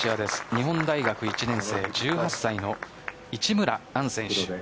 日本大学一年生１８歳の市村杏選手。